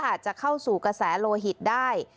อาจจะเข้าสู่กระแสโลหิตได้